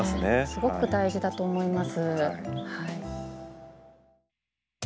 すごく大事だと思います。